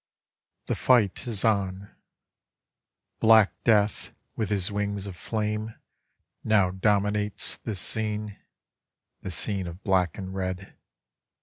The fight is on Black death with his wings of flame Now dominates this scene, This scene of "black and red.